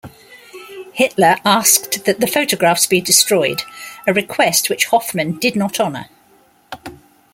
Hitler asked that the photographs be destroyed, a request which Hoffmann did not honor.